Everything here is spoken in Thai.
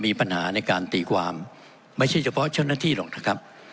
ที่ประชุมได้รับทราบแนวปฏิบัตินะครับ